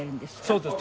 そうです。